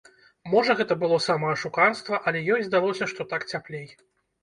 Можа гэта было самаашуканства, але ёй здалося, што так цяплей.